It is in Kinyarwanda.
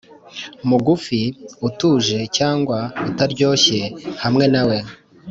mugufi-utuje cyangwa utaryoshye hamwe nawe,